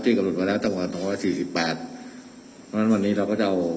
ที่ตำว่าต้องการสี่สิบแปดเพราะงั้นวันนี้เราก็จะเอา